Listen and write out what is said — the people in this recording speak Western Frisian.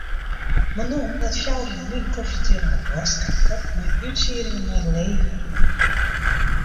Manon waard fjouwer jier lyn konfrontearre mei boarstkanker mei útsieddingen nei de lever.